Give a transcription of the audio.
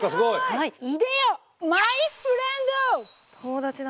はい。